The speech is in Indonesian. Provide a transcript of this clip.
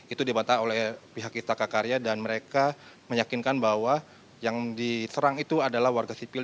itu dibantah oleh pihak istaka karya dan mereka meyakinkan bahwa yang diserang itu adalah warga sipil